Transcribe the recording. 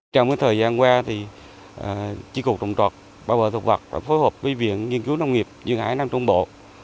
trong thời gian qua chỉ cuộc trồng trọt bảo vệ thực vật và phối hợp với viện nghiên cứu nông nghiệp duyên hải nam trung bộ